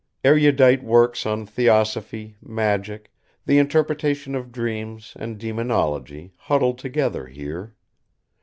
Erudite works on theosophy, magic, the interpretation of dreams and demonology huddled together here.